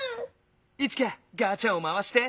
イチカガチャをまわして。